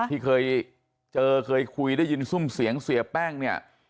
ที่เคยเจอเคยคุยได้ยินซุ่มเสียงเสียแป้งเนี่ย